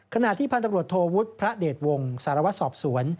ขณะที่พันธบรวจโทวุฒิพระเดชวงศ์สารวัตรสอบสวน